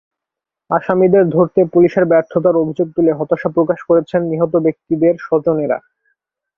আসামিদের ধরতে পুলিশের ব্যর্থতার অভিযোগ তুলে হতাশা প্রকাশ করেছেন নিহত ব্যক্তিদের স্বজনেরা।